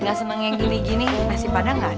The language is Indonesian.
yang gini gini nasi padang gak ada